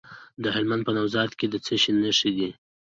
د هلمند په نوزاد کې د څه شي نښې دي؟